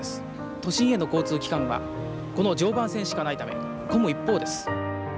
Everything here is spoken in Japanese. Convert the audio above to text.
都心への交通機関はこの常磐線しかないため混む一方です。